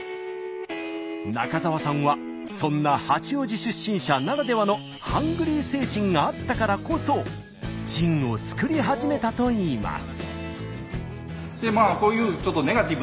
中澤さんはそんな八王子出身者ならではのハングリー精神があったからこそジンを造り始めたといいます。